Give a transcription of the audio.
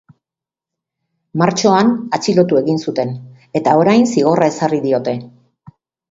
Martxoan atxilotu egin zuten eta orain zigorra ezarri diote.